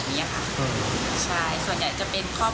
ส่วนใหญ่จะเป็นครอบครัวพาลูกพลาดมานั่งเล่นพักผ่อนกันนะครับ